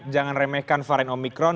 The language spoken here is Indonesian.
jangan remehkan varian omikron